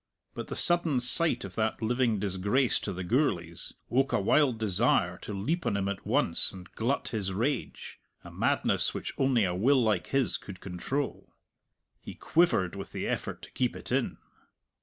But the sudden sight of that living disgrace to the Gourlays woke a wild desire to leap on him at once and glut his rage a madness which only a will like his could control. He quivered with the effort to keep it in.